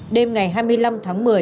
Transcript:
đêm ngày hai mươi năm tháng một mươi